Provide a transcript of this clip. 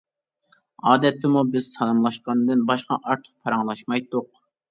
ئادەتتىمۇ بىز سالاملاشقاندىن باشقا ئارتۇق پاراڭلاشمايتتۇق.